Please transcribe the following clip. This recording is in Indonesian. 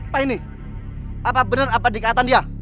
pak ini apa benar apa dikatakan dia